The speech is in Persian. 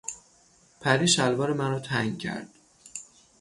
پری شلوار مرا تنگ کرد.